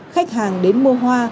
khách hàng đến mua hoa